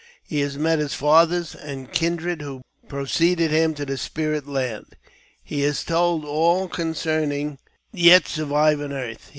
He has met his fathers and kindred who preceded him to the Spirit Land. He has told all concerning you that yet survive on earth.